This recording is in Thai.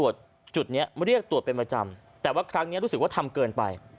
จุดนี้เรียกตรวจเป็นประจำแต่ว่าครั้งนี้รู้สึกว่าทำเกินไป